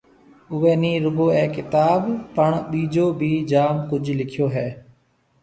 اُوئي نِي رُگو اَي ڪتآب پآ ٻِجو ڀِي جآم ڪجه لِکيو هيَ۔